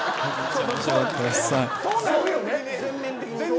そうなるよね。